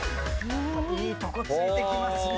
いいとこ突いてきますね。